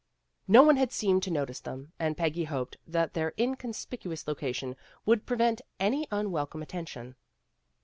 No one had seemed to notice them, and Peggy hoped that their incon spicuous location would prevent any unwelcome attention.